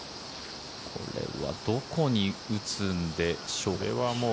これはどこに打つんでしょう。